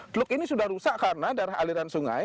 teluk ini sudah rusak karena darah aliran sungai